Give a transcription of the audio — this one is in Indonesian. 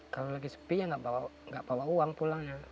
kalau lagi sepi ya nggak bawa uang pulangnya